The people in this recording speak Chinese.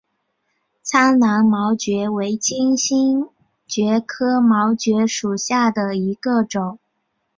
苍南毛蕨为金星蕨科毛蕨属下的一个种。